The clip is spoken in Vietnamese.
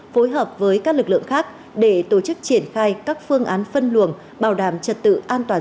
phối hợp với các lực lượng khác để tổ chức triển khai các phương án phân luồng bảo đảm trật tự an toàn giao